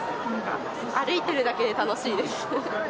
歩いてるだけで楽しいです。